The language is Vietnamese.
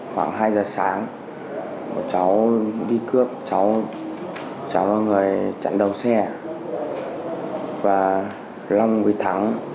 khoảng hai giờ sáng bọn cháu đi cướp cháu là người chặn đầu xe và năm người thắng